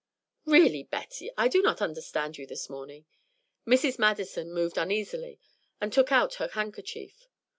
"Really, Betty, I do not understand you this morning." Mrs. Madison moved uneasily and took out her handkerchief.